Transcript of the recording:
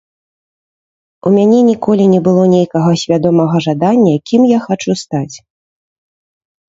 У мяне ніколі не было нейкага свядомага жадання, кім я хачу стаць.